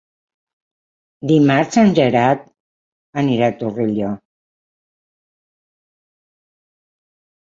Dimarts en Gerard anirà a Torelló.